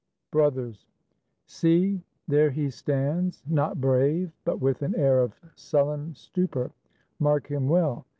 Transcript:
BROTHERS See! There he stands; not brave, but with an air Of sullen stupor. Mark him well!